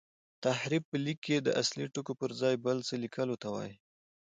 تحریف په لیک کښي د اصلي ټکو پر ځای بل څه لیکلو ته وايي.